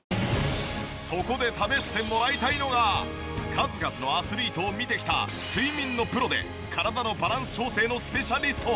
そこで試してもらいたいのが数々のアスリートを見てきた睡眠のプロで体のバランス調整のスペシャリスト